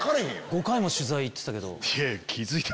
５回も取材行ってたけど。